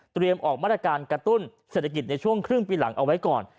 ออกมาตรการกระตุ้นเศรษฐกิจในช่วงครึ่งปีหลังเอาไว้ก่อน